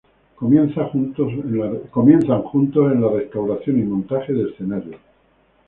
Comienzan juntos en la restauración y montaje de escenarios.